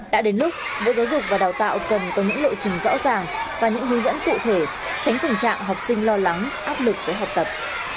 đã đến lúc bộ giáo dục và đào tạo cần có những lộ trình rõ ràng và những hướng dẫn cụ thể tránh tình trạng học sinh lo lắng áp lực với học tập